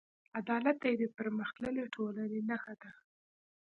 عدالت د یوې پرمختللې ټولنې نښه ده.